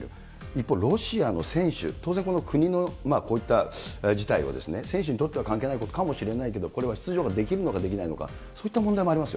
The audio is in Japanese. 一方、ロシアの選手、当然、国のこういった事態を選手にとっては関係ないことかもしれないけど、これは出場できるのかできないのか、そういった問題もありま